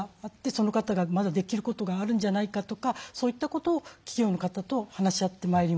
その方がまだできることがあるんじゃないかとかそういったことを企業の方と話し合ってまいります。